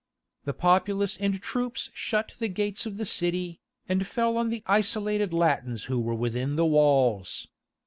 The populace and troops shut the gates of the city, and fell on the isolated Latins who were within the walls.